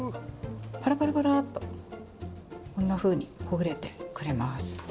パラパラパラっとこんなふうにほぐれてくれます。